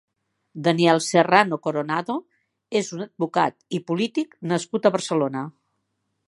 Daniel Serrano Coronado és un advocat i polític nascut a Barcelona.